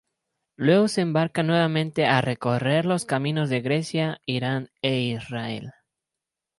Luego se embarca nuevamente a recorrer los caminos de Grecia, Irán e Israel.